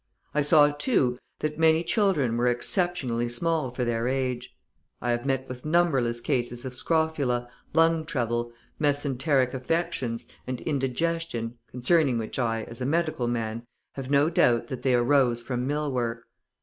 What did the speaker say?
I saw, too, that many children were exceptionally small for their age. I have met with numberless cases of scrofula, lung trouble, mesenteric affections, and indigestion, concerning which I, as a medical man, have no doubt that they arose from mill work.